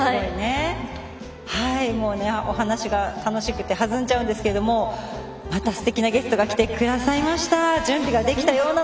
もうお話が楽しくて弾んじゃうんですけどまたすてきなゲストが来てくださいました。